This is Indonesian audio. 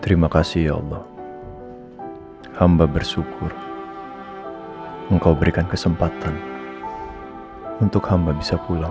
terima kasih ya allah hamba bersyukur engkau berikan kesempatan untuk hamba bisa pulang